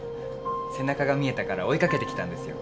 背中が見えたから追い掛けてきたんですよ。